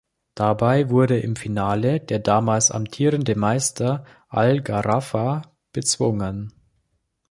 Dabei wurde im Finale der damals amtierende Meister Al-Gharafa bezwungen.